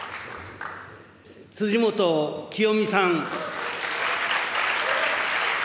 辻元清美さん。